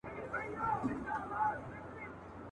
جهاني ته وا یاران دي یو په یو خاورو خوړلي !.